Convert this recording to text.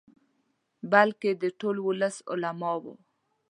بلکې د ټول ولس، علماؤ.